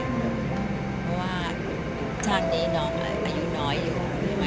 เพราะว่าชาตินี้น้องอายุน้อยอยู่ใช่ไหม